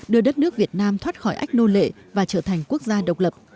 đưa đất nước việt nam thoát khỏi ách nô lệ và trở thành quốc gia độc lập